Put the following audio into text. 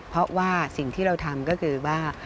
เพราะว่าสิ่งที่เราทำก็คือว่า